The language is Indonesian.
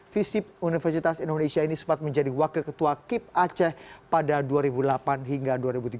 visip universitas indonesia ini sempat menjadi wakil ketua kip aceh pada dua ribu delapan hingga dua ribu tiga belas